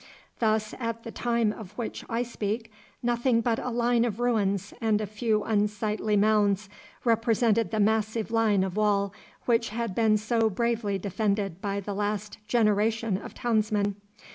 Thus, at the time of which I speak, nothing but a line of ruins and a few unsightly mounds represented the massive line of wall which had been so bravely defended by the last generation of townsmen.